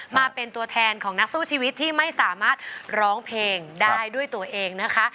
มาเป็นตัวแทนของนักสู้ชีวิตที่ไม่สามารถร้องเพลงได้ด้วยตัวเองนะคะ